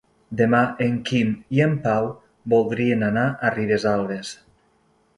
Demà en Quim i en Pau voldrien anar a Ribesalbes.